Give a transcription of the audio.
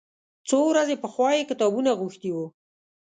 څو ورځې پخوا یې کتابونه غوښتي و.